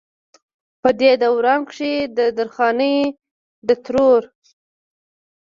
پۀ دې دوران کښې د درخانۍ د ترور